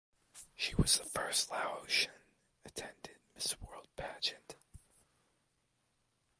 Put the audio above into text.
She was the first Laotian attended Miss World pageant.